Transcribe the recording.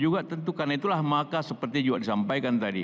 juga tentu karena itulah maka seperti juga disampaikan tadi oleh keputusan indonesia